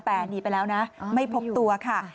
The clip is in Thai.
แต่หนีไปแล้วนะไม่พบตัวค่ะ